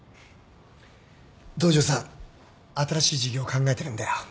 東城さん新しい事業考えてるんだよ。